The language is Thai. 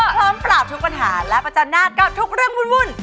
พร้อมปราบทุกปัญหาและประจันหน้ากับทุกเรื่องวุ่น